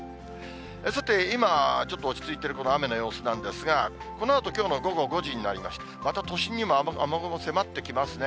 さて、今ちょっと落ち着いているこの雨の様子なんですが、このあときょうの午後５時になりまして、また都心にも雨雲迫ってきますね。